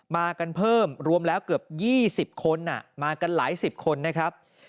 มากันเพิ่มรวมแล้วเกือบ๒๐คนมากันหลายสิบคนนะครับ